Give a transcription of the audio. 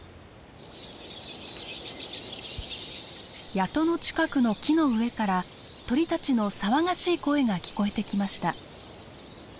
谷戸の近くの木の上から鳥たちの騒がしい声が聞こえてきました。